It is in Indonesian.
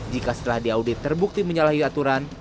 jika setelah diaudit terbukti menyalahi aturan